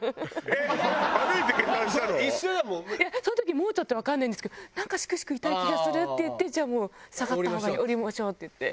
いやその時盲腸ってわかんないんですけど「なんかシクシク痛い気がする」って言って「じゃあもう下がった方がいい下りましょう」って言って。